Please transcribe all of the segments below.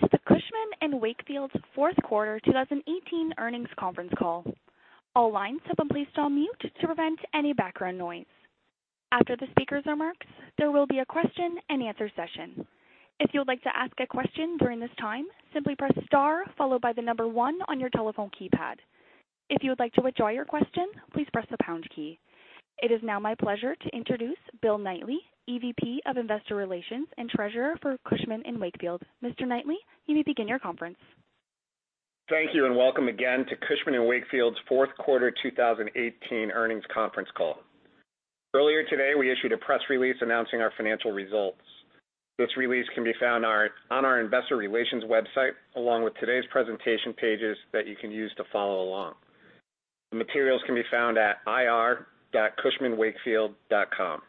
Welcome to the Cushman & Wakefield fourth quarter 2018 earnings conference call. All lines have been placed on mute to prevent any background noise. After the speakers' remarks, there will be a question and answer session. If you would like to ask a question during this time, simply press star followed by the number one on your telephone keypad. If you would like to withdraw your question, please press the pound key. It is now my pleasure to introduce Bill Knightly, EVP of Investor Relations and Treasurer for Cushman & Wakefield. Mr. Knightly, you may begin your conference. Thank you. Welcome again to Cushman & Wakefield's fourth quarter 2018 earnings conference call. Earlier today, we issued a press release announcing our financial results. This release can be found on our investor relations website, along with today's presentation pages that you can use to follow along. The materials can be found at ir.cushmanwakefield.com.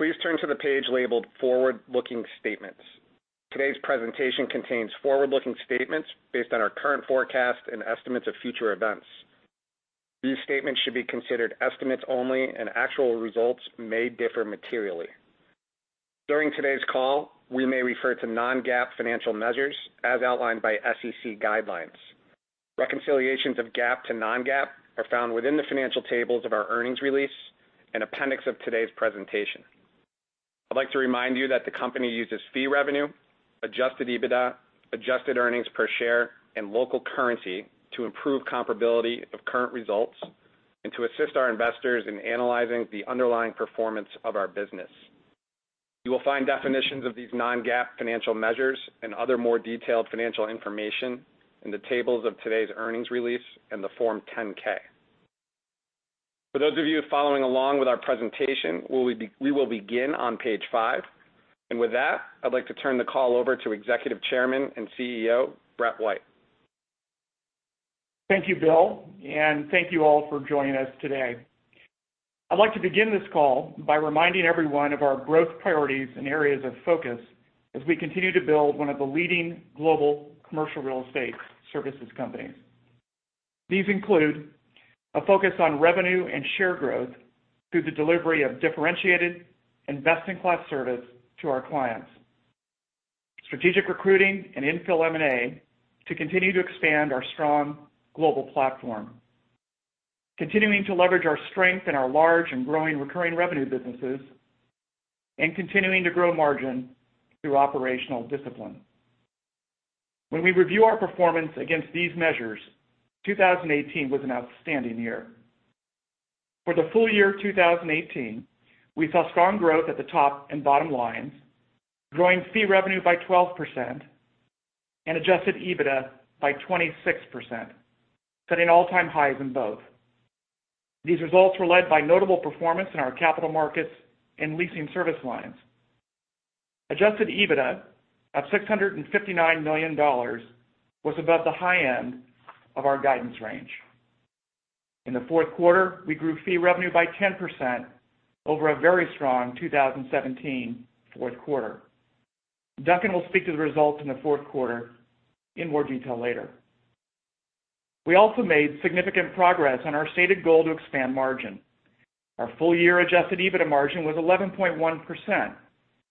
Please turn to the page labeled "Forward-Looking Statements." Today's presentation contains forward-looking statements based on our current forecast and estimates of future events. These statements should be considered estimates only, and actual results may differ materially. During today's call, we may refer to non-GAAP financial measures as outlined by SEC guidelines. Reconciliations of GAAP to non-GAAP are found within the financial tables of our earnings release and appendix of today's presentation. I'd like to remind you that the company uses fee revenue, Adjusted EBITDA, Adjusted Earnings Per Share, and local currency to improve comparability of current results and to assist our investors in analyzing the underlying performance of our business. You will find definitions of these non-GAAP financial measures and other more detailed financial information in the tables of today's earnings release and the Form 10-K. For those of you following along with our presentation, we will begin on page five. With that, I'd like to turn the call over to Executive Chairman and CEO, Brett White. Thank you, Bill. Thank you all for joining us today. I'd like to begin this call by reminding everyone of our growth priorities and areas of focus as we continue to build one of the leading global commercial real estate services companies. These include a focus on revenue and share growth through the delivery of differentiated investment class service to our clients. Strategic recruiting and infill M&A to continue to expand our strong global platform. Continuing to leverage our strength in our large and growing recurring revenue businesses, and continuing to grow margin through operational discipline. When we review our performance against these measures, 2018 was an outstanding year. For the full year 2018, we saw strong growth at the top and bottom lines, growing fee revenue by 12% and Adjusted EBITDA by 26%, setting all-time highs in both. These results were led by notable performance in our capital markets and leasing service lines. Adjusted EBITDA of $659 million was above the high end of our guidance range. In the fourth quarter, we grew Fee Revenue by 10% over a very strong 2017 fourth quarter. Duncan will speak to the results in the fourth quarter in more detail later. We also made significant progress on our stated goal to expand margin. Our full-year Adjusted EBITDA margin was 11.1%,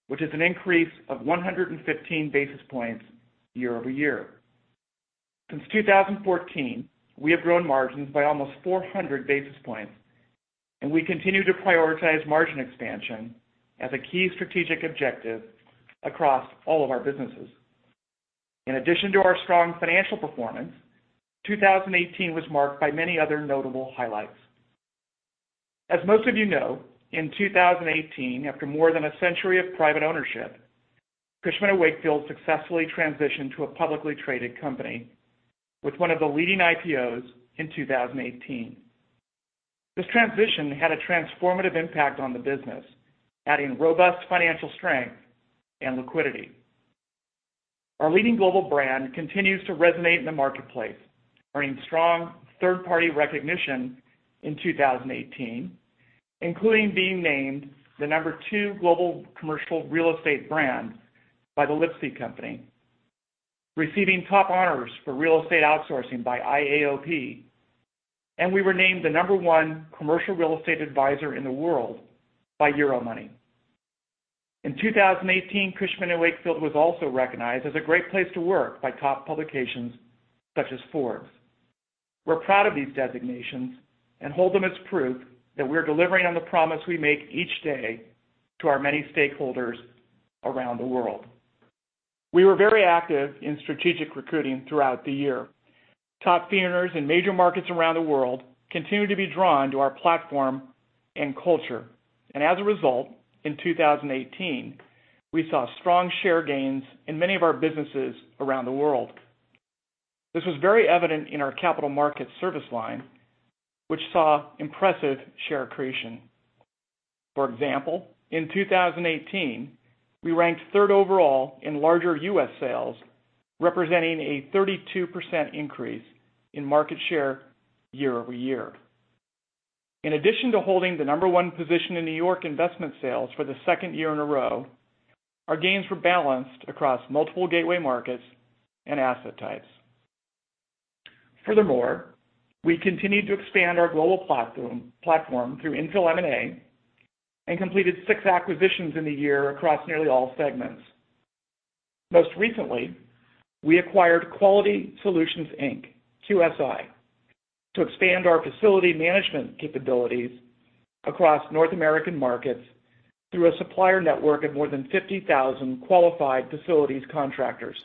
which is an increase of 115 basis points year-over-year. Since 2014, we have grown margins by almost 400 basis points. We continue to prioritize margin expansion as a key strategic objective across all of our businesses. In addition to our strong financial performance, 2018 was marked by many other notable highlights. As most of you know, in 2018, after more than a century of private ownership, Cushman & Wakefield successfully transitioned to a publicly traded company with one of the leading IPOs in 2018. This transition had a transformative impact on the business, adding robust financial strength and liquidity. Our leading global brand continues to resonate in the marketplace, earning strong third-party recognition in 2018, including being named the number two global commercial real estate brand by The Lipsey Company, receiving top honors for real estate outsourcing by IAOP. We were named the number one commercial real estate advisor in the world by Euromoney. In 2018, Cushman & Wakefield was also recognized as a great place to work by top publications such as Forbes. We're proud of these designations and hold them as proof that we're delivering on the promise we make each day to our many stakeholders around the world. We were very active in strategic recruiting throughout the year. Top feeders in major markets around the world continue to be drawn to our platform and culture. As a result, in 2018, we saw strong share gains in many of our businesses around the world. This was very evident in our capital markets service line, which saw impressive share creation. For example, in 2018, we ranked third overall in larger U.S. sales, representing a 32% increase in market share year-over-year. In addition to holding the number one position in New York investment sales for the second year in a row, our gains were balanced across multiple gateway markets and asset types. We continued to expand our global platform through infill M&A and completed 6 acquisitions in the year across nearly all segments. Most recently, we acquired Quality Solutions, Inc., QSI, to expand our facilities management capabilities across North American markets through a supplier network of more than 50,000 qualified facilities contractors.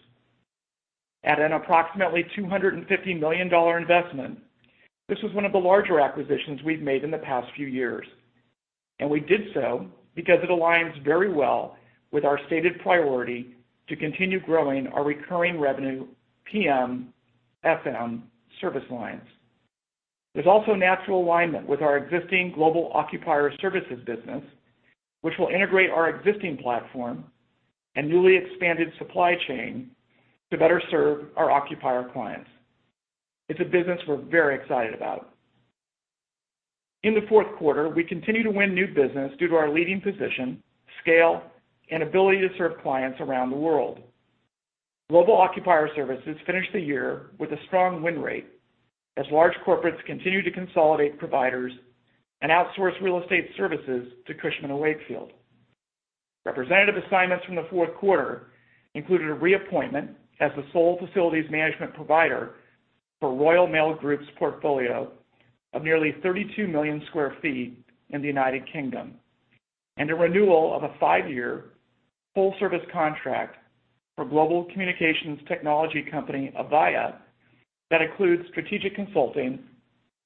At an approximately $250 million investment, this was one of the larger acquisitions we've made in the past few years. We did so because it aligns very well with our stated priority to continue growing our recurring revenue PM/FM service lines. There's also natural alignment with our existing global occupier services business, which will integrate our existing platform and newly expanded supply chain to better serve our occupier clients. It's a business we're very excited about. In the fourth quarter, we continued to win new business due to our leading position, scale, and ability to serve clients around the world. Global occupier services finished the year with a strong win rate as large corporates continue to consolidate providers and outsource real estate services to Cushman & Wakefield. Representative assignments from the fourth quarter included a reappointment as the sole facilities management provider for Royal Mail Group's portfolio of nearly 32 million sq ft in the U.K., and a renewal of a five-year full-service contract for global communications technology company, Avaya, that includes strategic consulting,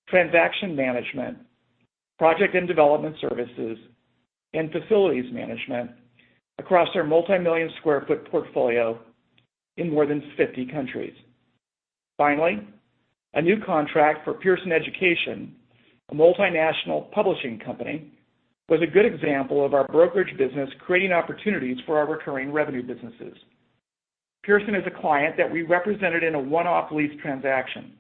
transaction management, project and development services, and facilities management across their multi-million-square-foot portfolio in more than 50 countries. A new contract for Pearson Education, a multinational publishing company, was a good example of our brokerage business creating opportunities for our recurring revenue businesses. Pearson is a client that we represented in a one-off lease transaction.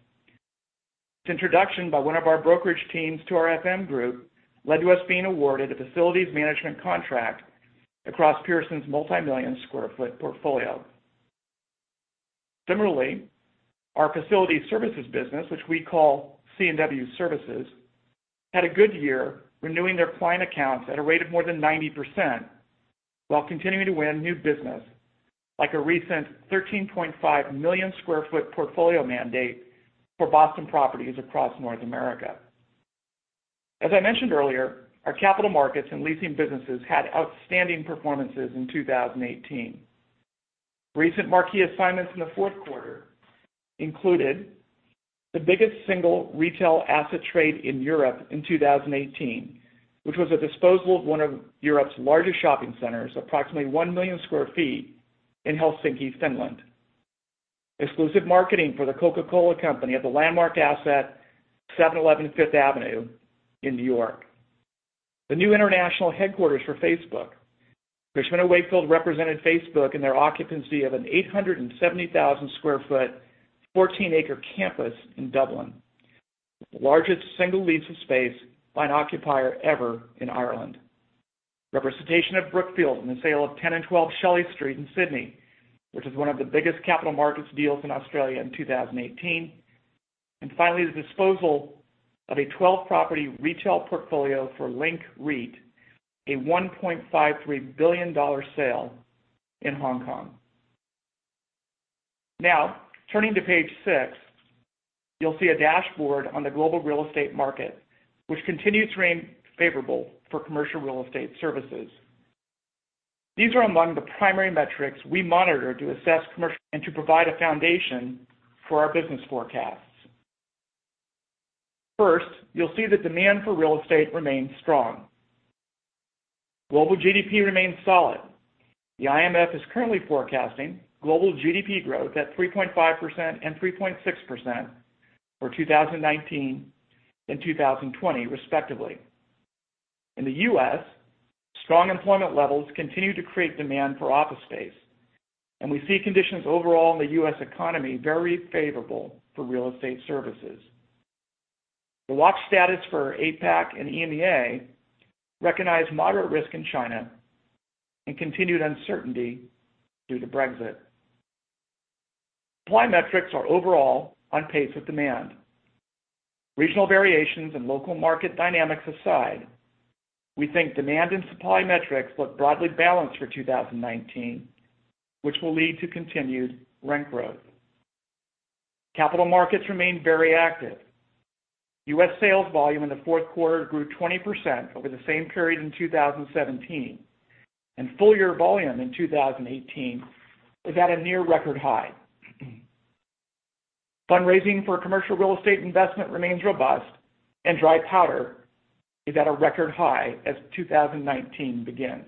Its introduction by one of our brokerage teams to our FM group led to us being awarded a facilities management contract across Pearson's multi-million sq ft portfolio. Similarly, our facility services business, which we call C&W Services, had a good year renewing their client accounts at a rate of more than 90%, while continuing to win new business, like a recent 13.5 million sq ft portfolio mandate for Boston Properties across North America. As I mentioned earlier, our capital markets and leasing businesses had outstanding performances in 2018. Recent marquee assignments in the fourth quarter included the biggest single retail asset trade in Europe in 2018, which was a disposal of one of Europe's largest shopping centers, approximately 1 million sq ft in Helsinki, Finland. Exclusive marketing for The Coca-Cola Company at the landmark asset 711 Fifth Avenue in New York. The new international headquarters for Facebook. Cushman & Wakefield represented Facebook in their occupancy of an 870,000 sq ft, 14-acre campus in Dublin, the largest single lease of space by an occupier ever in Ireland. Representation of Brookfield in the sale of 10 and 12 Shelley Street in Sydney, which is one of the biggest capital markets deals in Australia in 2018. The disposal of a 12-property retail portfolio for Link REIT, a $1.53 billion sale in Hong Kong. Turning to page six, you'll see a dashboard on the global real estate market, which continues to remain favorable for commercial real estate services. These are among the primary metrics we monitor to assess commercial, and to provide a foundation for our business forecasts. First, you'll see that demand for real estate remains strong. Global GDP remains solid. The IMF is currently forecasting global GDP growth at 3.5% and 3.6% for 2019 and 2020, respectively. In the U.S., strong employment levels continue to create demand for office space, and we see conditions overall in the U.S. economy very favorable for real estate services. The watch status for APAC and EMEA recognize moderate risk in China and continued uncertainty due to Brexit. Supply metrics are overall on pace with demand. Regional variations and local market dynamics aside, we think demand and supply metrics look broadly balanced for 2019, which will lead to continued rent growth. Capital markets remain very active. U.S. sales volume in the fourth quarter grew 20% over the same period in 2017, and full-year volume in 2018 is at a near record high. Fundraising for commercial real estate investment remains robust, and dry powder is at a record high as 2019 begins.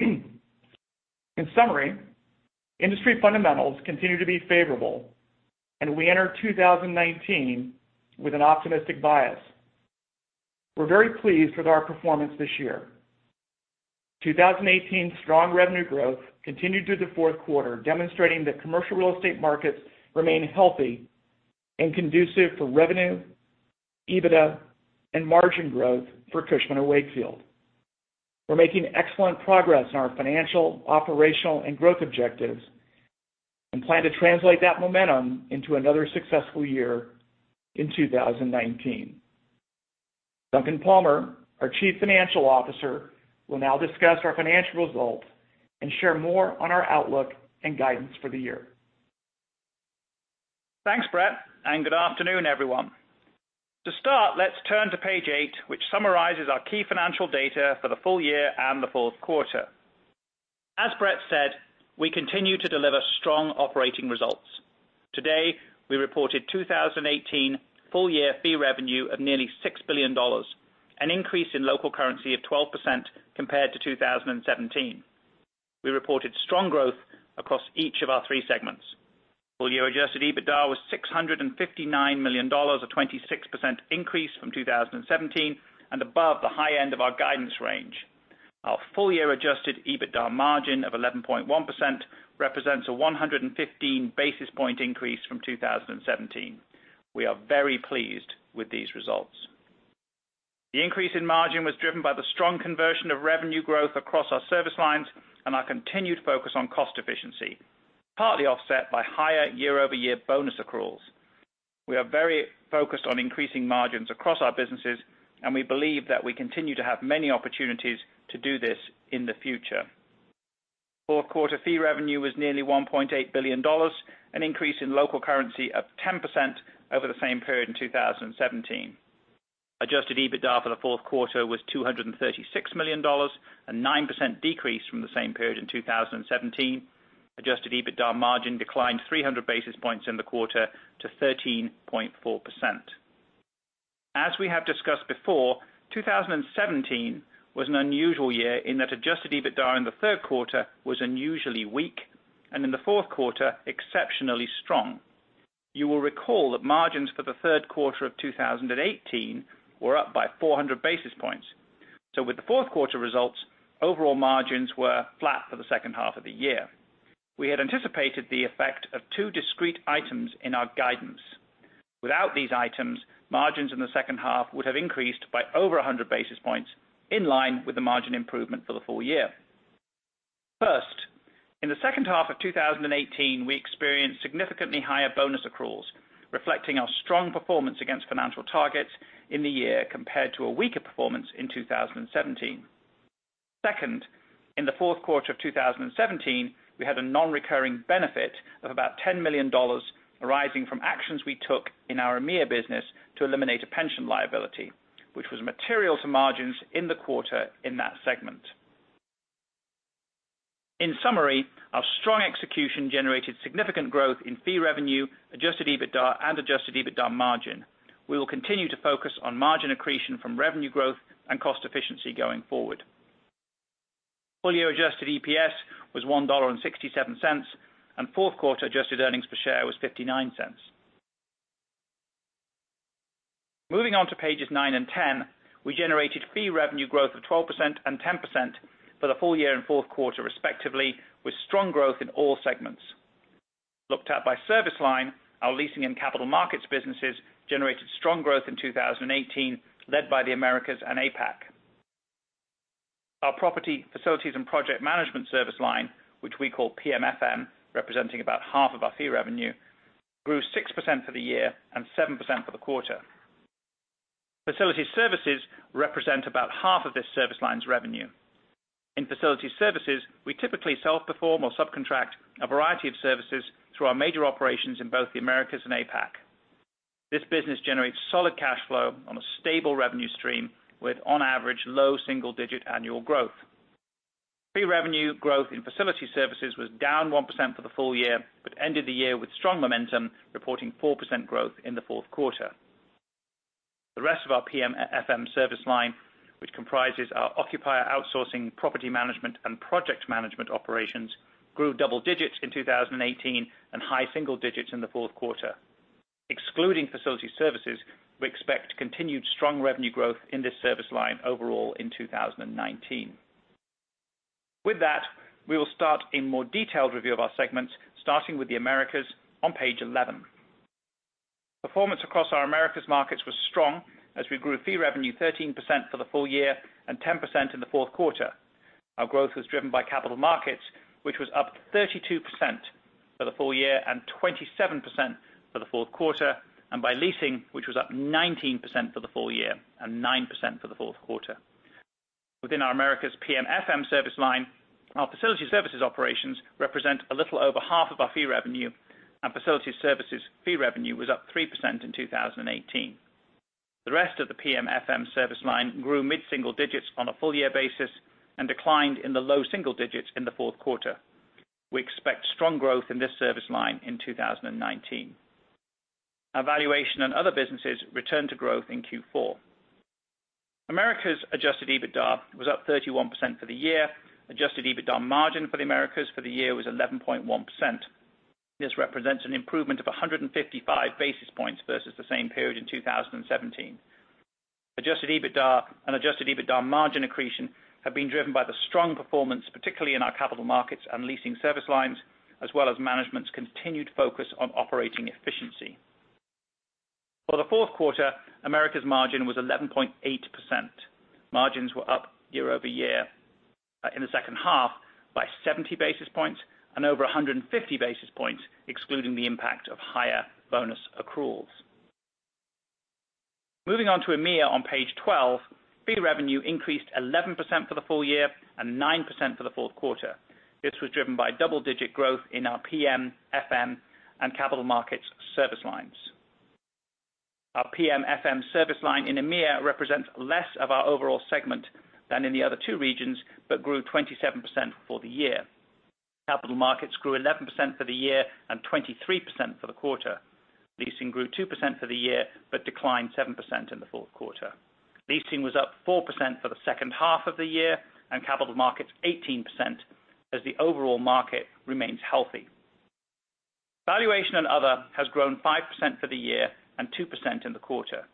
In summary, industry fundamentals continue to be favorable, and we enter 2019 with an optimistic bias. We are very pleased with our performance this year. 2018's strong revenue growth continued through the fourth quarter, demonstrating that commercial real estate markets remain healthy and conducive for revenue, EBITDA, and margin growth for Cushman & Wakefield. We are making excellent progress in our financial, operational, and growth objectives, and plan to translate that momentum into another successful year in 2019. Duncan Palmer, our chief financial officer, will now discuss our financial results and share more on our outlook and guidance for the year. Thanks, Brett, good afternoon, everyone. To start, let's turn to page eight, which summarizes our key financial data for the full year and the fourth quarter. As Brett said, we continue to deliver strong operating results. Today, we reported 2018 full year fee revenue of nearly $6 billion, an increase in local currency of 12% compared to 2017. We reported strong growth across each of our three segments. Full-year Adjusted EBITDA was $659 million, a 26% increase from 2017 and above the high end of our guidance range. Our full-year Adjusted EBITDA margin of 11.1% represents a 115 basis points increase from 2017. We are very pleased with these results. The increase in margin was driven by the strong conversion of revenue growth across our service lines and our continued focus on cost efficiency, partly offset by higher year-over-year bonus accruals. We are very focused on increasing margins across our businesses, we believe that we continue to have many opportunities to do this in the future. Fourth quarter fee revenue was nearly $1.8 billion, an increase in local currency of 10% over the same period in 2017. Adjusted EBITDA for the fourth quarter was $236 million, a 9% decrease from the same period in 2017. Adjusted EBITDA margin declined 300 basis points in the quarter to 13.4%. As we have discussed before, 2017 was an unusual year in that Adjusted EBITDA in the third quarter was unusually weak, and in the fourth quarter, exceptionally strong. You will recall that margins for the third quarter of 2018 were up by 400 basis points. With the fourth quarter results, overall margins were flat for the second half of the year. We had anticipated the effect of two discrete items in our guidance. Without these items, margins in the second half would have increased by over 100 basis points, in line with the margin improvement for the full year. First, in the second half of 2018, we experienced significantly higher bonus accruals, reflecting our strong performance against financial targets in the year compared to a weaker performance in 2017. Second, in the fourth quarter of 2017, we had a non-recurring benefit of about $10 million arising from actions we took in our EMEA business to eliminate a pension liability, which was material to margins in the quarter in that segment. In summary, our strong execution generated significant growth in Fee Revenue, Adjusted EBITDA, and Adjusted EBITDA margin. We will continue to focus on margin accretion from revenue growth and cost efficiency going forward. Full year Adjusted EPS was $1.67, and fourth quarter adjusted earnings per share was $0.59. Moving on to pages nine and 10, we generated Fee Revenue growth of 12% and 10% for the full year and fourth quarter, respectively, with strong growth in all segments. Looked at by service line, our leasing and capital markets businesses generated strong growth in 2018, led by the Americas and APAC. Our property, facilities, and project management service line, which we call PMFM, representing about half of our Fee Revenue, grew 6% for the year and 7% for the quarter. Facility services represent about half of this service line's revenue. In Facility services, we typically self-perform or subcontract a variety of services through our major operations in both the Americas and APAC. This business generates solid cash flow on a stable revenue stream with, on average, low single-digit annual growth. Fee Revenue growth in Facility services was down 1% for the full year, but ended the year with strong momentum, reporting 4% growth in the fourth quarter. The rest of our PMFM service line, which comprises our global occupier services, property management, and project management operations, grew double digits in 2018 and high single digits in the fourth quarter. Excluding Facility services, we expect continued strong revenue growth in this service line overall in 2019. With that, we will start a more detailed review of our segments, starting with the Americas on page 11. Performance across our Americas markets was strong as we grew Fee Revenue 13% for the full year and 10% in the fourth quarter. Our growth was driven by capital markets, which was up 32% for the full year and 27% for the fourth quarter, and by leasing, which was up 19% for the full year and 9% for the fourth quarter. Within our Americas PMFM service line, our Facility services operations represent a little over half of our Fee Revenue, and Facility services Fee Revenue was up 3% in 2018. The rest of the PMFM service line grew mid-single digits on a full year basis and declined in the low single digits in the fourth quarter. We expect strong growth in this service line in 2019. Our valuation and other businesses returned to growth in Q4. Americas Adjusted EBITDA was up 31% for the year. Adjusted EBITDA margin for the Americas for the year was 11.1%. This represents an improvement of 155 basis points versus the same period in 2017. Adjusted EBITDA and Adjusted EBITDA margin accretion have been driven by the strong performance, particularly in our capital markets and leasing service lines, as well as management's continued focus on operating efficiency. For the fourth quarter, Americas margin was 11.8%. Margins were up year-over-year in the second half by 70 basis points and over 150 basis points excluding the impact of higher bonus accruals. Moving on to EMEA on page 12, fee revenue increased 11% for the full year and 9% for the fourth quarter. This was driven by double-digit growth in our PM, FM, and capital markets service lines. Our PM, FM service line in EMEA represents less of our overall segment than in the other two regions, but grew 27% for the year. Capital markets grew 11% for the year and 23% for the quarter. Leasing grew 2% for the year but declined 7% in the fourth quarter. Leasing was up 4% for the second half of the year and capital markets 18% as the overall market remains healthy. Valuation and other has grown 5% for the year and 2% in the quarter.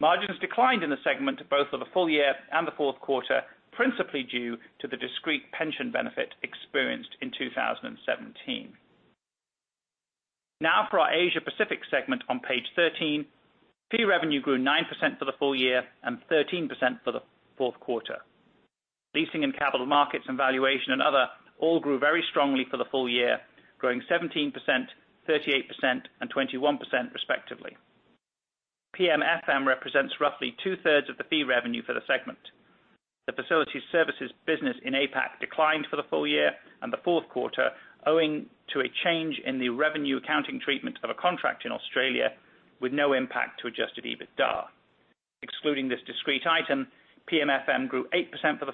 Margins declined in the segment both for the full year and the fourth quarter, principally due to the discrete pension benefit experienced in 2017. Now for our Asia Pacific segment on page 13. Fee revenue grew 9% for the full year and 13% for the fourth quarter. Leasing and capital markets and valuation and other all grew very strongly for the full year, growing 17%, 38% and 21% respectively. PM, FM represents roughly two-thirds of the fee revenue for the segment. The facility services business in APAC declined for the full year and the fourth quarter owing to a change in the revenue accounting treatment of a contract in Australia with no impact to Adjusted EBITDA. Excluding this discrete item, PM, FM grew 8% for the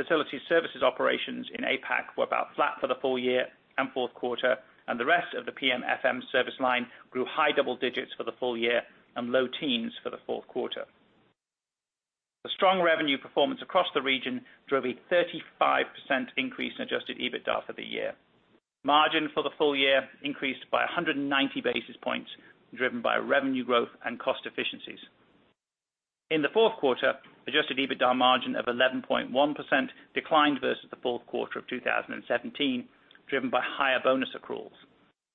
full year and 13% in the fourth quarter. Facility services operations in APAC were about flat for the full year and fourth quarter, and the rest of the PM, FM service line grew high double digits for the full year and low teens for the fourth quarter. The strong revenue performance across the region drove a 35% increase in Adjusted EBITDA for the year. Margin for the full year increased by 190 basis points, driven by revenue growth and cost efficiencies. In the fourth quarter, Adjusted EBITDA margin of 11.1% declined versus the fourth quarter of 2017, driven by higher bonus accruals.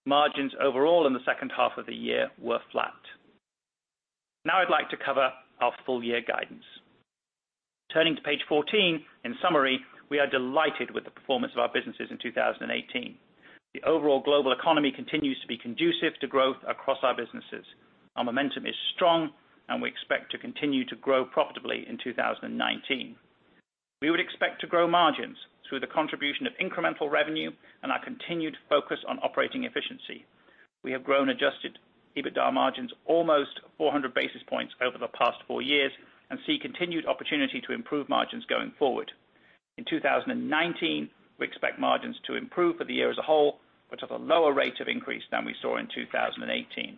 Margins overall in the second half of the year were flat. Now I'd like to cover our full year guidance. Turning to page 14, in summary, we are delighted with the performance of our businesses in 2018. The overall global economy continues to be conducive to growth across our businesses. Our momentum is strong, and we expect to continue to grow profitably in 2019. We would expect to grow margins through the contribution of incremental revenue and our continued focus on operating efficiency. We have grown Adjusted EBITDA margins almost 400 basis points over the past four years and see continued opportunity to improve margins going forward. In 2019, we expect margins to improve for the year as a whole but at a lower rate of increase than we saw in 2018.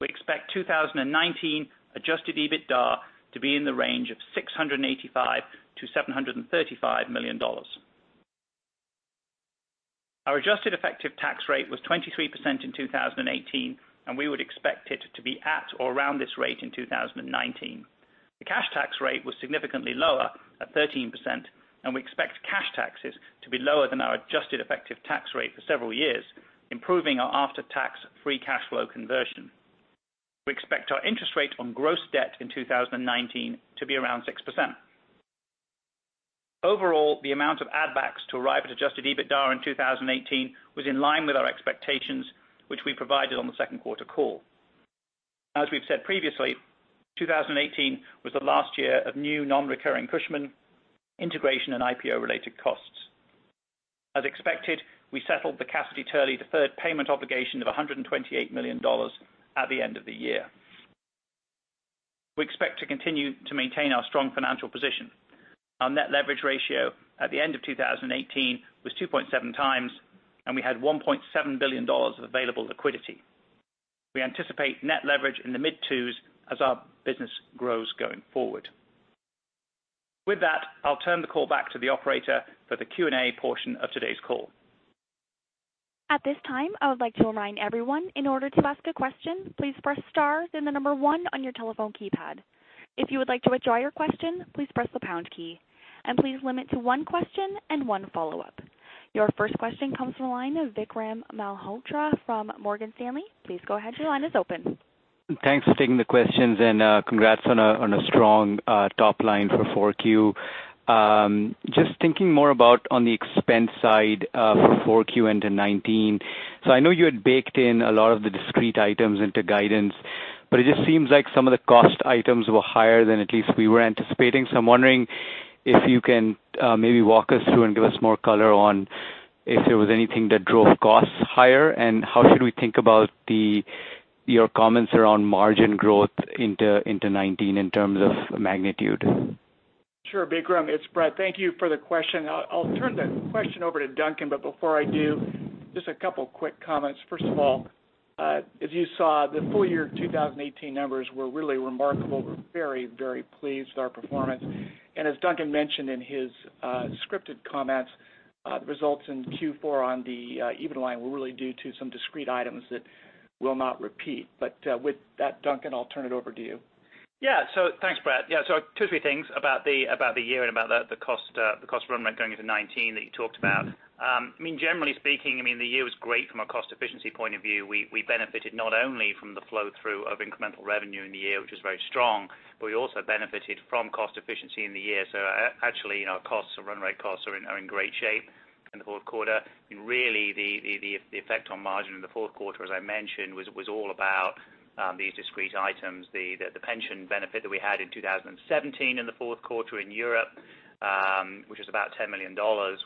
We expect 2019 Adjusted EBITDA to be in the range of $685 million-$735 million. Our adjusted effective tax rate was 23% in 2018, and we would expect it to be at or around this rate in 2019. The cash tax rate was significantly lower at 13%, and we expect cash taxes to be lower than our adjusted effective tax rate for several years, improving our after-tax free cash flow conversion. We expect our interest rate on gross debt in 2019 to be around 6%. Overall, the amount of add backs to arrive at Adjusted EBITDA in 2018 was in line with our expectations, which we provided on the second quarter call. As we've said previously, 2018 was the last year of new non-recurring Cushman integration and IPO-related costs. As expected, we settled the Cassidy Turley deferred payment obligation of $128 million at the end of the year. We expect to continue to maintain our strong financial position. Our net leverage ratio at the end of 2018 was 2.7 times, and we had $1.7 billion of available liquidity. We anticipate net leverage in the mid twos as our business grows going forward. I'll turn the call back to the operator for the Q&A portion of today's call. At this time, I would like to remind everyone, in order to ask a question, please press star then the number one on your telephone keypad. If you would like to withdraw your question, please press the pound key and please limit to one question and one follow-up. Your first question comes from the line of Vikram Malhotra from Morgan Stanley. Please go ahead. Your line is open. Thanks for taking the questions and congrats on a strong top line for 4Q. Thinking more about on the expense side for 4Q into 2019. I know you had baked in a lot of the discrete items into guidance, but it seems like some of the cost items were higher than at least we were anticipating. I'm wondering if you can maybe walk us through and give us more color on if there was anything that drove costs higher, and how should we think about your comments around margin growth into 2019 in terms of magnitude? Sure, Vikram, it's Brett. Thank you for the question. I'll turn that question over to Duncan, but before I do, just a couple quick comments. First of all, as you saw, the full year 2018 numbers were really remarkable. We're very, very pleased with our performance. As Duncan mentioned in his scripted comments, the results in Q4 on the EBITDA line were really due to some discrete items that will not repeat. With that, Duncan, I'll turn it over to you. Thanks, Brett. Two or three things about the year and about the cost run rate going into 2019 that you talked about. Generally speaking, the year was great from a cost efficiency point of view. We benefited not only from the flow-through of incremental revenue in the year, which was very strong, but we also benefited from cost efficiency in the year. Actually, our run rate costs are in great shape in the fourth quarter. Really, the effect on margin in the fourth quarter, as I mentioned, was all about these discrete items, the pension benefit that we had in 2017 in the fourth quarter in Europe, which was about $10 million,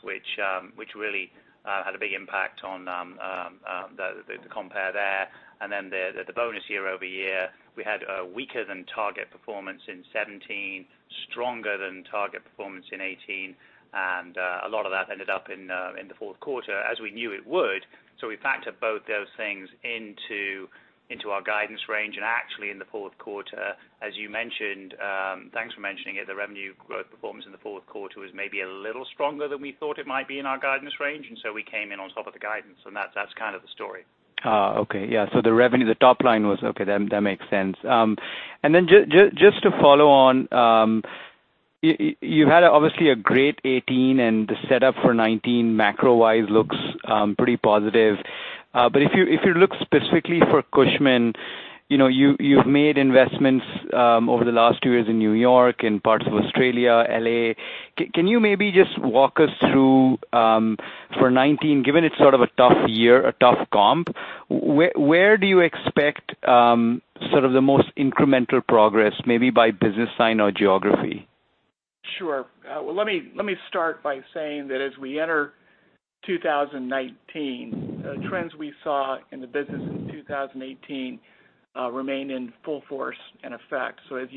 which really had a big impact on the compare there. The bonus year-over-year, we had a weaker than target performance in 2017, stronger than target performance in 2018. A lot of that ended up in the fourth quarter as we knew it would. We factored both those things into our guidance range. Actually in the fourth quarter, as you mentioned, thanks for mentioning it, the revenue growth performance in the fourth quarter was maybe a little stronger than we thought it might be in our guidance range, we came in on top of the guidance, and that's kind of the story. Okay. The revenue, the top line was okay, that makes sense. Just to follow on, you had obviously a great 2018, and the setup for 2019 macro-wise looks pretty positive. If you look specifically for Cushman, you've made investments over the last two years in New York and parts of Australia, L.A. Can you maybe just walk us through, for 2019, given it's sort of a tough year, a tough comp, where do you expect sort of the most incremental progress, maybe by business line or geography? Sure. Well, let me start by saying that as we enter 2019, the trends we saw in the business in 2018 remain in full force and effect. As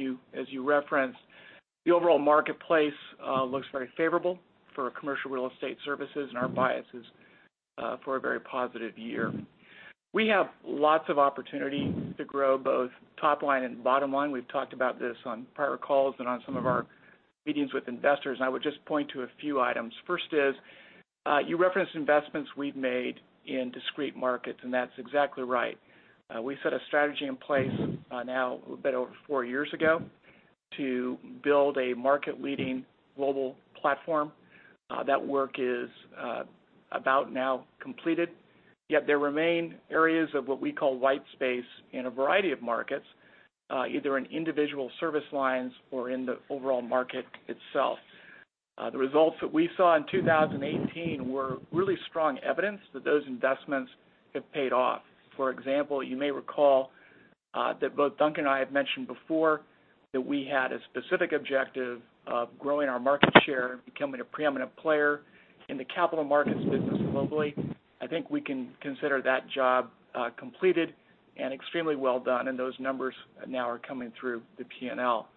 you referenced, the overall marketplace looks very favorable for commercial real estate services and our bias is for a very positive year. We have lots of opportunity to grow both top line and bottom line. We've talked about this on prior calls and on some of our meetings with investors, and I would just point to a few items. First is, you referenced investments we've made in discrete markets, and that's exactly right. We set a strategy in place now a bit over four years ago to build a market-leading global platform. That work is about now completed, yet there remain areas of what we call white space in a variety of markets, either in individual service lines or in the overall market itself. The results that we saw in 2018 were really strong evidence that those investments have paid off. For example, you may recall that both Duncan and I have mentioned before that we had a specific objective of growing our market share and becoming a preeminent player in the capital markets business globally. I think we can consider that job completed and extremely well done, and those numbers now are coming through the P&L.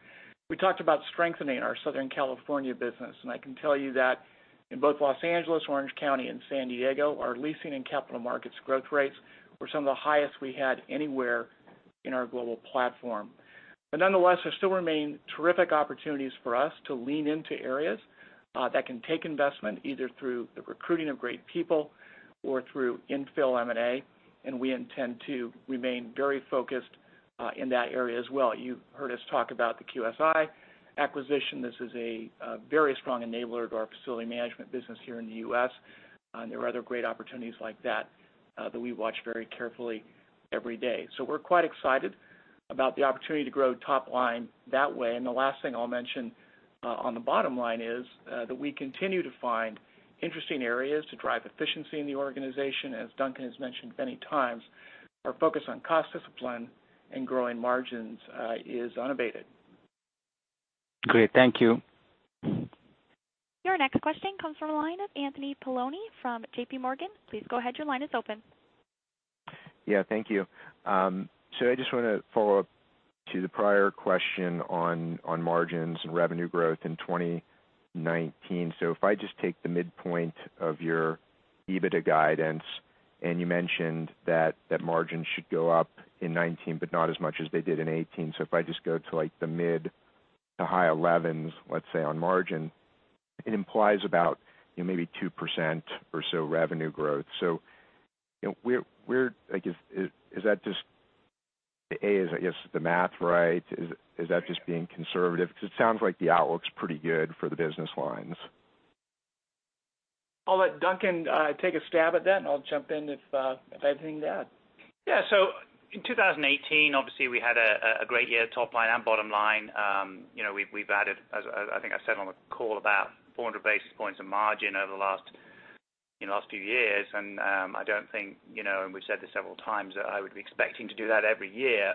We talked about strengthening our Southern California business, and I can tell you that in both Los Angeles, Orange County and San Diego, our leasing and capital markets growth rates were some of the highest we had anywhere in our global platform. Nonetheless, there still remain terrific opportunities for us to lean into areas that can take investment either through the recruiting of great people or through infill M&A, and we intend to remain very focused in that area as well. You heard us talk about the QSI acquisition. This is a very strong enabler to our facilities management business here in the U.S., and there are other great opportunities like that we watch very carefully every day. We're quite excited about the opportunity to grow top line that way. The last thing I'll mention on the bottom line is that we continue to find interesting areas to drive efficiency in the organization. As Duncan has mentioned many times, our focus on cost discipline and growing margins is unabated. Great. Thank you. Your next question comes from the line of Anthony Paolone from JPMorgan. Please go ahead, your line is open. I just want to follow up to the prior question on margins and revenue growth in 2019. If I just take the midpoint of your EBITDA guidance, and you mentioned that margin should go up in 2019, but not as much as they did in 2018. If I just go to like the mid to high 11s, let's say, on margin, it implies about maybe 2% or so revenue growth. Is that just, A, is the math right? Is that just being conservative? Because it sounds like the outlook's pretty good for the business lines. I'll let Duncan take a stab at that, and I'll jump in if I have anything to add. In 2018, obviously we had a great year, top line and bottom line. We've added, as I think I said on the call, about 400 basis points of margin over the last few years. I don't think, and we've said this several times, that I would be expecting to do that every year.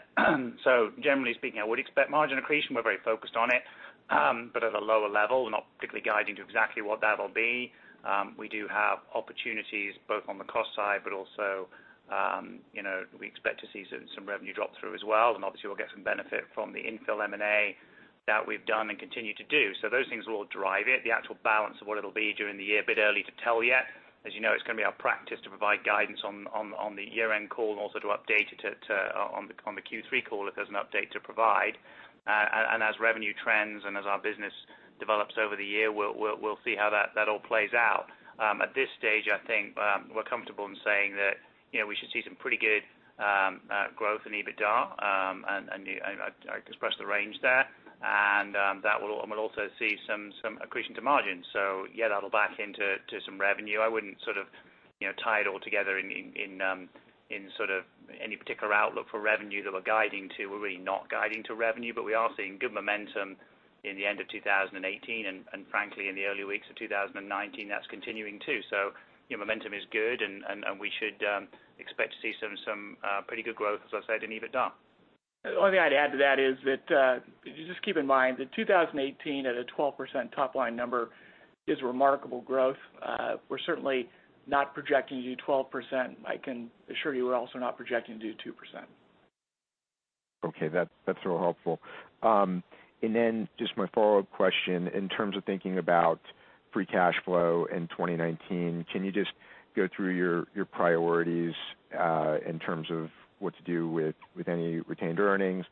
Generally speaking, I would expect margin accretion. We're very focused on it, but at a lower level. We're not particularly guiding to exactly what that'll be. We do have opportunities both on the cost side, but also, we expect to see some revenue drop through as well, and obviously we'll get some benefit from the infill M&A that we've done and continue to do. Those things will all drive it. The actual balance of what it'll be during the year, a bit early to tell yet. As you know, it's going to be our practice to provide guidance on the year-end call and also to update it on the Q3 call if there's an update to provide. As revenue trends and as our business develops over the year, we'll see how that all plays out. At this stage, I think, we're comfortable in saying that we should see some pretty good growth in EBITDA, and I expressed the range there. That will also see some accretion to margin. Yeah, that'll back into some revenue. I wouldn't tie it all together in any particular outlook for revenue that we're guiding to. We're really not guiding to revenue, but we are seeing good momentum in the end of 2018, and frankly, in the early weeks of 2019, that's continuing too. Momentum is good, and we should expect to see some pretty good growth, as I said, in EBITDA. The only thing I'd add to that is that if you just keep in mind that 2018 at a 12% top-line number is remarkable growth. We're certainly not projecting to do 12%. I can assure you we're also not projecting to do 2%. Okay, that's real helpful. Just my follow-up question, in terms of thinking about free cash flow in 2019, can you just go through your priorities in terms of what to do with any retained earnings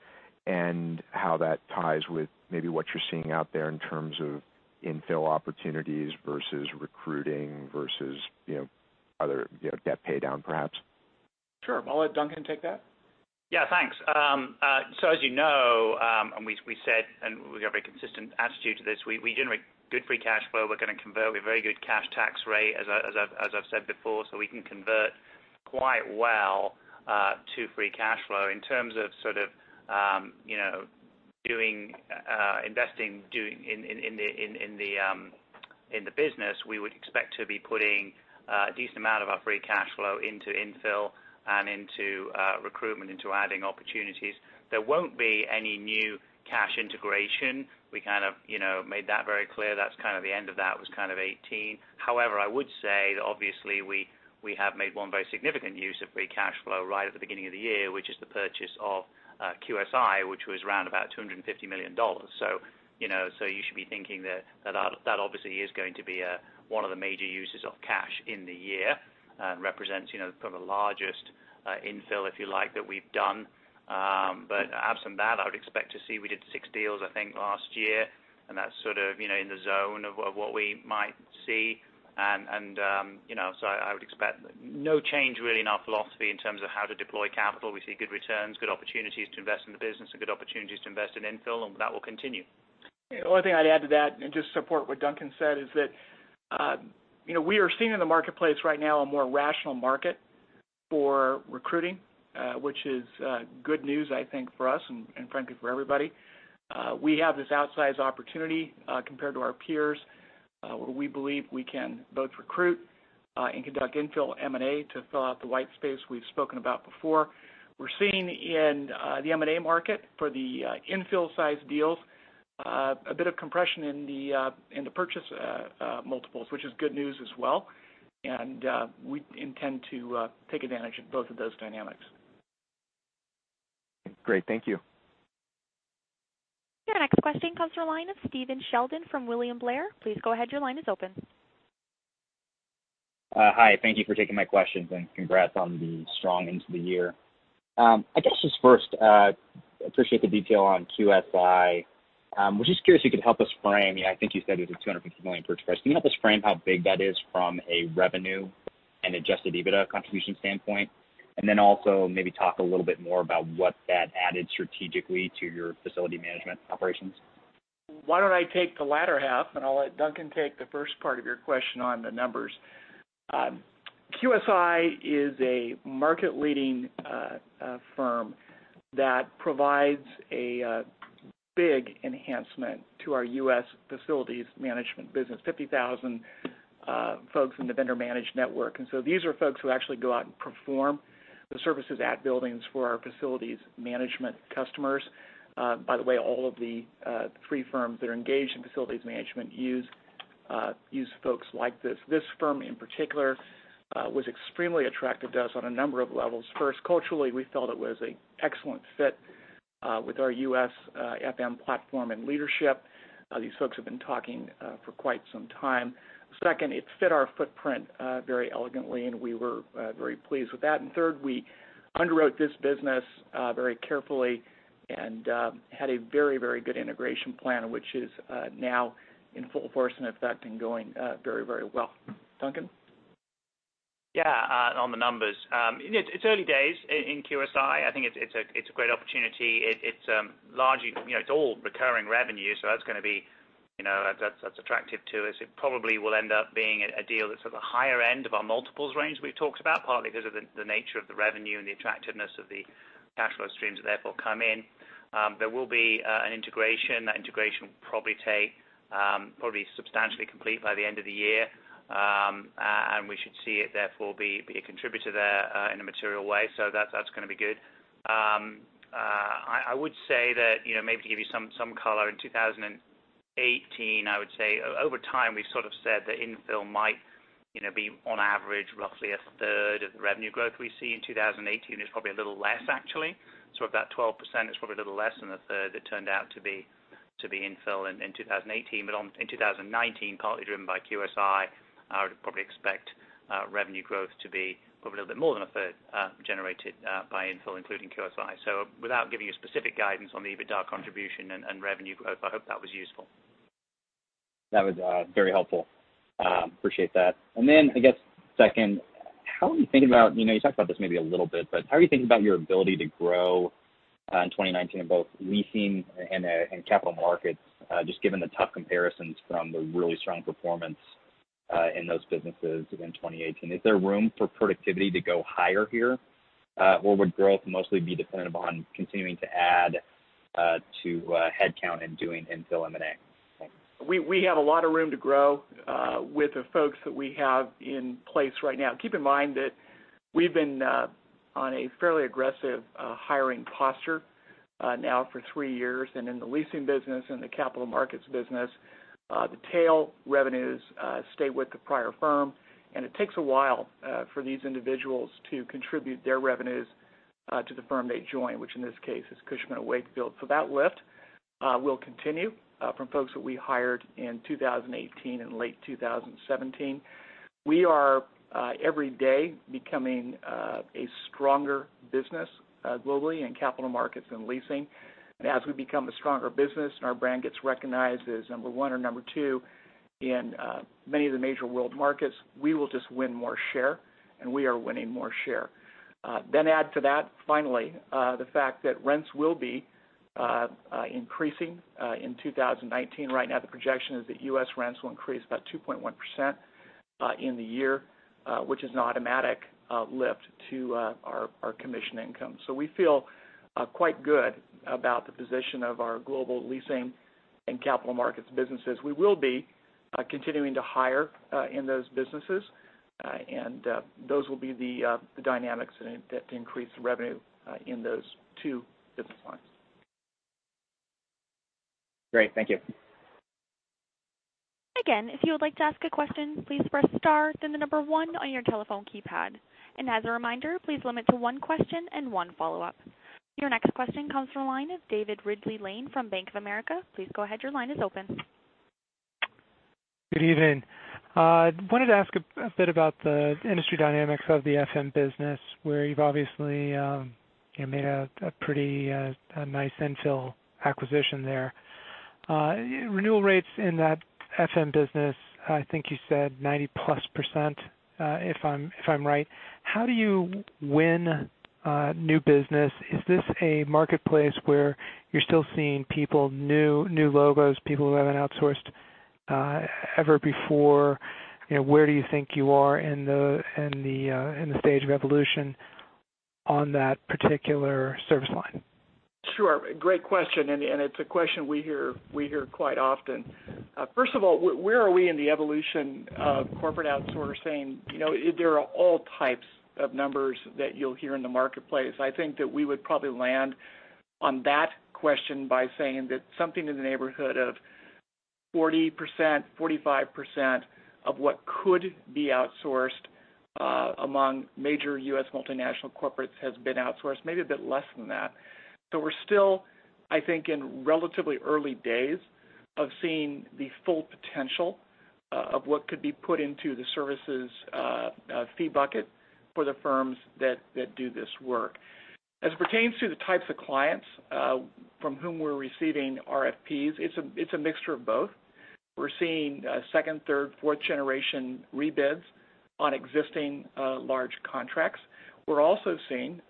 and how that ties with maybe what you're seeing out there in terms of infill opportunities versus recruiting versus other debt paydown, perhaps? Sure. I'll let Duncan take that. Yeah, thanks. As you know, and we said, and we have a consistent attitude to this, we generate good free cash flow. We're going to convert with very good cash tax rate as I've said before, so we can convert quite well to free cash flow. In terms of investing in the business, we would expect to be putting a decent amount of our free cash flow into infill and into recruitment, into adding opportunities. There won't be any new cash integration. We made that very clear. The end of that was 2018. I would say that obviously we have made one very significant use of free cash flow right at the beginning of the year, which is the purchase of QSI, which was around about $250 million. You should be thinking that obviously is going to be one of the major uses of cash in the year and represents the largest infill, if you like, that we've done. Absent that, I would expect to see we did six deals, I think, last year, and that's in the zone of what we might see. I would expect no change really in our philosophy in terms of how to deploy capital. We see good returns, good opportunities to invest in the business, and good opportunities to invest in infill, and that will continue. The only thing I'd add to that, and just support what Duncan said, is that we are seeing in the marketplace right now a more rational market for recruiting, which is good news, I think, for us and frankly, for everybody. We have this outsized opportunity compared to our peers where we believe we can both recruit and conduct infill M&A to fill out the white space we've spoken about before. We're seeing in the M&A market for the infill-sized deals a bit of compression in the purchase multiples, which is good news as well. We intend to take advantage of both of those dynamics. Great. Thank you. Your next question comes from the line of Stephen Sheldon from William Blair. Please go ahead. Your line is open. Hi. Thank you for taking my questions. Congrats on the strong end to the year. I guess just first, appreciate the detail on QSI. Was just curious if you could help us frame, I think you said it was a $250 million purchase price. Can you help us frame how big that is from a revenue and Adjusted EBITDA contribution standpoint? Also maybe talk a little bit more about what that added strategically to your facilities management operations. Why don't I take the latter half. I'll let Duncan take the first part of your question on the numbers. QSI is a market-leading firm that provides a big enhancement to our U.S. facilities management business. 50,000 folks in the vendor managed network. These are folks who actually go out and perform the services at buildings for our facilities management customers. By the way, all of the three firms that are engaged in facilities management use folks like this. This firm, in particular, was extremely attractive to us on a number of levels. First, culturally, we felt it was an excellent fit with our U.S. FM platform and leadership. These folks have been talking for quite some time. Second, it fit our footprint very elegantly, and we were very pleased with that. Third, we underwrote this business very carefully and had a very good integration plan, which is now in full force and effect and going very well. Duncan? Yeah, on the numbers. It's early days in QSI. I think it's a great opportunity. It's all recurring revenue, so that's attractive to us. It probably will end up being a deal that's at the higher end of our multiples range we've talked about, partly because of the nature of the revenue and the attractiveness of the cash flow streams that therefore come in. There will be an integration. That integration will probably be substantially complete by the end of the year. We should see it, therefore, be a contributor there in a material way, so that's going to be good. I would say that, maybe to give you some color, in 2018, I would say over time, we've said that infill might be on average, roughly a third of the revenue growth we see. In 2018, it's probably a little less, actually. Of that 12%, it's probably a little less than a third that turned out to be infill in 2018. In 2019, partly driven by QSI, I would probably expect revenue growth to be probably a little bit more than a third generated by infill, including QSI. Without giving you specific guidance on the EBITDA contribution and revenue growth, I hope that was useful. That was very helpful. Appreciate that. Then, I guess second, you talked about this maybe a little bit, but how are you thinking about your ability to grow in 2019 in both leasing and capital markets, just given the tough comparisons from the really strong performance in those businesses within 2018? Is there room for productivity to go higher here? Or would growth mostly be dependent upon continuing to add to headcount and doing infill M&A? Thanks. We have a lot of room to grow with the folks that we have in place right now. Keep in mind that we've been on a fairly aggressive hiring posture now for three years, and in the leasing business and the capital markets business, the tail revenues stay with the prior firm, and it takes a while for these individuals to contribute their revenues to the firm they join, which in this case is Cushman & Wakefield. That lift will continue from folks that we hired in 2018 and late 2017. We are, every day, becoming a stronger business globally in capital markets and leasing. As we become a stronger business and our brand gets recognized as number one or number two in many of the major world markets, we will just win more share, and we are winning more share. Add to that, finally, the fact that rents will be increasing in 2019. Right now, the projection is that U.S. rents will increase about 2.1% in the year, which is an automatic lift to our commission income. We feel quite good about the position of our global leasing and capital markets businesses. We will be continuing to hire in those businesses, and those will be the dynamics that increase the revenue in those two business lines. Great. Thank you. Again, if you would like to ask a question, please press star then the number one on your telephone keypad. As a reminder, please limit to one question and one follow-up. Your next question comes from the line of David Ridley-Lane from Bank of America. Please go ahead, your line is open. Good evening. Wanted to ask a bit about the industry dynamics of the FM business, where you've obviously made a pretty nice infill acquisition there. Renewal rates in that FM business, I think you said 90-plus %, if I'm right. How do you win new business? Is this a marketplace where you're still seeing people, new logos, people who haven't outsourced ever before? Where do you think you are in the stage of evolution on that particular service line? Sure. Great question. It's a question we hear quite often. First of all, where are we in the evolution of corporate outsourcing? There are all types of numbers that you'll hear in the marketplace. I think that we would probably land on that question by saying that something in the neighborhood of 40%, 45% of what could be outsourced among major U.S. multinational corporates has been outsourced, maybe a bit less than that. We're still, I think, in relatively early days of seeing the full potential of what could be put into the services fee bucket for the firms that do this work. As it pertains to the types of clients from whom we're receiving RFP, it's a mixture of both. We're seeing second, third, fourth generation rebids on existing large contracts. We're also seeing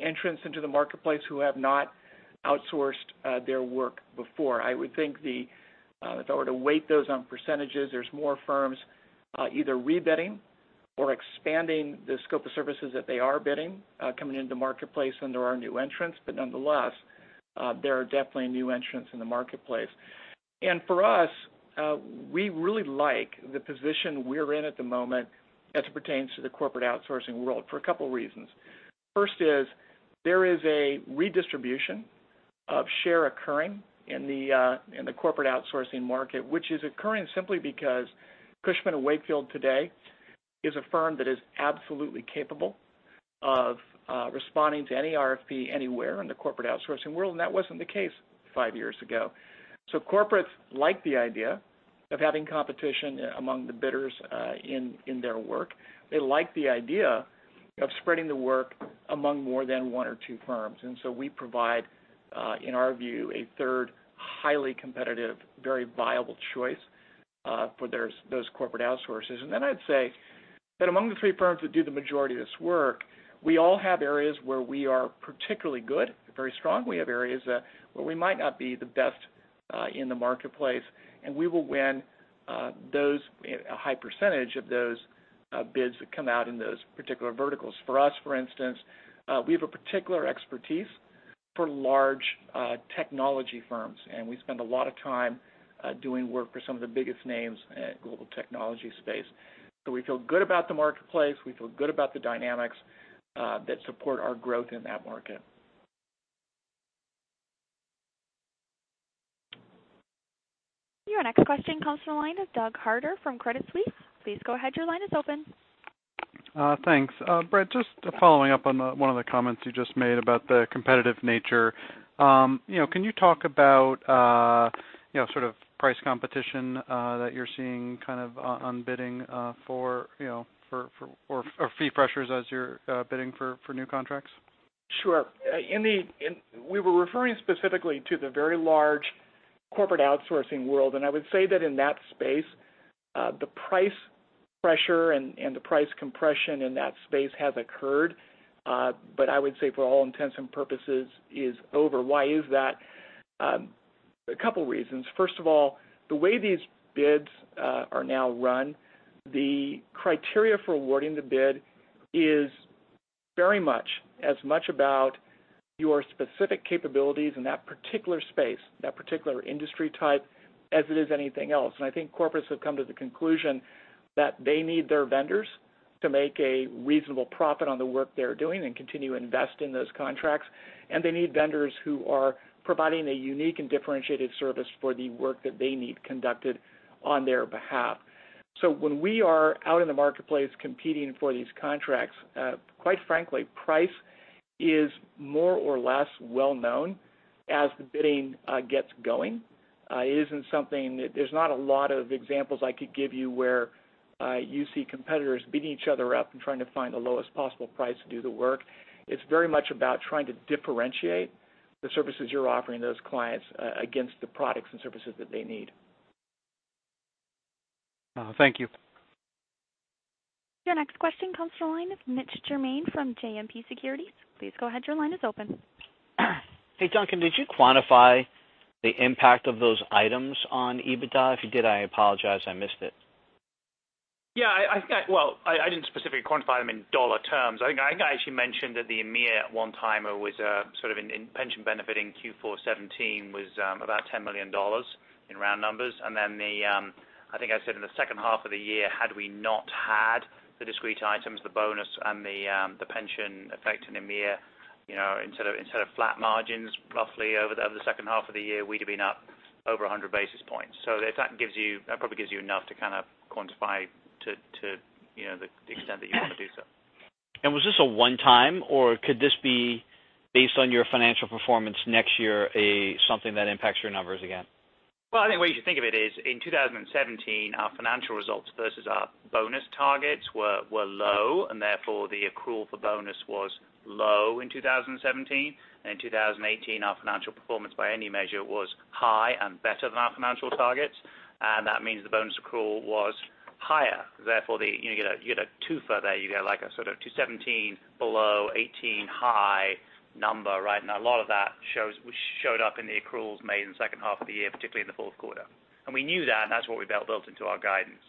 entrants into the marketplace who have not outsourced their work before. I would think if I were to weight those on percentages, there's more firms either rebidding or expanding the scope of services that they are bidding coming into the marketplace under our new entrants. Nonetheless, there are definitely new entrants in the marketplace. For us, we really like the position we're in at the moment as it pertains to the corporate outsourcing world for a couple of reasons. First is there is a redistribution of share occurring in the corporate outsourcing market, which is occurring simply because Cushman & Wakefield today is a firm that is absolutely capable of responding to any RFP anywhere in the corporate outsourcing world, and that wasn't the case five years ago. Corporates like the idea of having competition among the bidders in their work. They like the idea of spreading the work among more than one or two firms. We provide, in our view, a third highly competitive, very viable choice for those corporate outsourcers. I'd say that among the three firms that do the majority of this work, we all have areas where we are particularly good, very strong. We have areas where we might not be the best in the marketplace, and we will win a high % of those bids that come out in those particular verticals. For us, for instance, we have a particular expertise for large technology firms, and we spend a lot of time doing work for some of the biggest names in global technology space. We feel good about the marketplace. We feel good about the dynamics that support our growth in that market. Your next question comes from the line of Douglas Harder from Credit Suisse. Please go ahead, your line is open. Thanks. Brett, just following up on one of the comments you just made about the competitive nature. Can you talk about sort of price competition that you're seeing kind of on bidding for fee pressures as you're bidding for new contracts? Sure. We were referring specifically to the very large corporate outsourcing world. I would say that in that space, the price pressure and the price compression in that space has occurred, but I would say for all intents and purposes is over. Why is that? A couple reasons. First of all, the way these bids are now run, the criteria for awarding the bid is very much as much about your specific capabilities in that particular space, that particular industry type, as it is anything else. I think corporates have come to the conclusion that they need their vendors to make a reasonable profit on the work they're doing and continue to invest in those contracts. They need vendors who are providing a unique and differentiated service for the work that they need conducted on their behalf. When we are out in the marketplace competing for these contracts, quite frankly, price is more or less well-known as the bidding gets going. There's not a lot of examples I could give you where you see competitors bidding each other up and trying to find the lowest possible price to do the work. It's very much about trying to differentiate the services you're offering those clients against the products and services that they need. Thank you. Your next question comes from the line of Mitch Germain from JMP Securities. Please go ahead, your line is open. Hey, Duncan, did you quantify the impact of those items on EBITDA? If you did, I apologize, I missed it. Yeah. Well, I didn't specifically quantify them in dollar terms. I think I actually mentioned that the EMEA one-timer was a pension benefit in Q4 2017 was about $10 million in round numbers. Then I think I said in the second half of the year, had we not had the discrete items, the bonus and the pension effect in EMEA, instead of flat margins roughly over the second half of the year, we'd have been up over 100 basis points. That probably gives you enough to kind of quantify to the extent that you want to do so. Was this a one-time, or could this be based on your financial performance next year, something that impacts your numbers again? Well, I think the way you should think of it is in 2017, our financial results versus our bonus targets were low, therefore the accrual for bonus was low in 2017. In 2018, our financial performance by any measure was high and better than our financial targets, that means the bonus accrual was higher. Therefore, you get a twofer there. You get a sort of 2017 below, 2018 high number, right? A lot of that showed up in the accruals made in the second half of the year, particularly in the fourth quarter. We knew that's what we built into our guidance.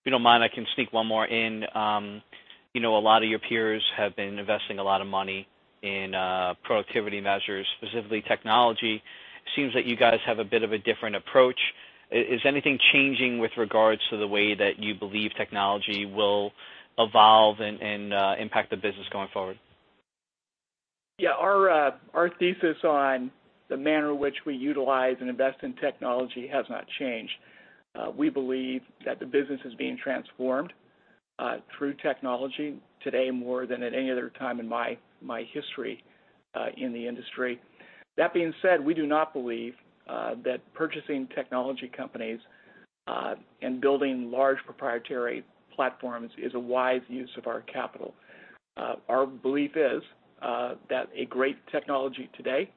If you don't mind, I can sneak one more in. A lot of your peers have been investing a lot of money in productivity measures, specifically technology. It seems that you guys have a bit of a different approach. Is anything changing with regards to the way that you believe technology will evolve and impact the business going forward? Yeah, our thesis on the manner in which we utilize and invest in technology has not changed. We believe that the business is being transformed through technology today more than at any other time in my history in the industry. That being said, we do not believe that purchasing technology companies and building large proprietary platforms is a wise use of our capital. Our belief is that a great technology today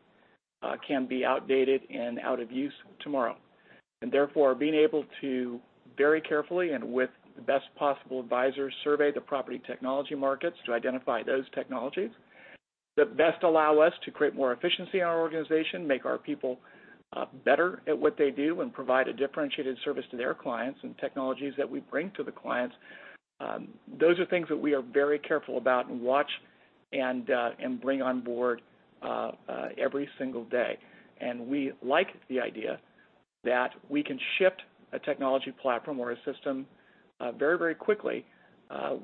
can be outdated and out of use tomorrow. Therefore, being able to very carefully and with the best possible advisors, survey the property technology markets to identify those technologies that best allow us to create more efficiency in our organization, make our people better at what they do, and provide a differentiated service to their clients and technologies that we bring to the clients. Those are things that we are very careful about and watch and bring on board every single day. We like the idea that we can shift a technology platform or a system very quickly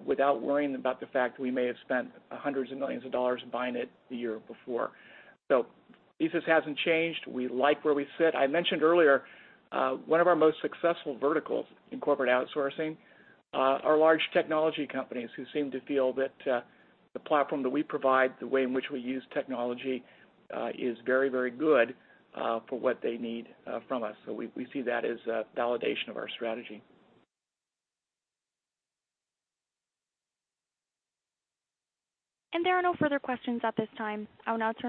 without worrying about the fact we may have spent hundreds of millions of dollars buying it the year before. Thesis hasn't changed. We like where we sit. I mentioned earlier, one of our most successful verticals in corporate outsourcing are large technology companies who seem to feel that the platform that we provide, the way in which we use technology, is very good for what they need from us. We see that as a validation of our strategy. There are no further questions at this time. I will now turn.